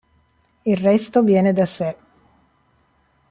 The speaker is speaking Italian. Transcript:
Il resto viene da sé.